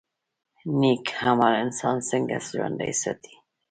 نیک عمل انسان څنګه ژوندی ساتي؟